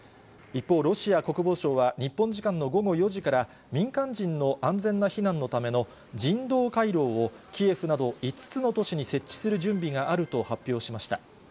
一方、ロシア国防省は日本時間の午後４時から、民間人の安全な避難のための人道回廊を、キエフなど５つの都市に設置する準備があると発表しました。